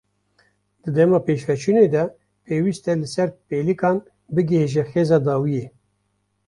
Di dema pêşveçûnê de pêwîst e li ser pêlikan bighêje xêza dawiyê.